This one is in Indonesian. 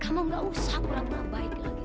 kamu gak usah kurang kurang baik lagi sama saya